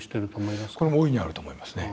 これも大いにあると思いますね。